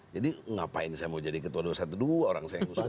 jadi ngapain saya mau jadi ketua dua ratus dua belas orang saya yang mengusulkan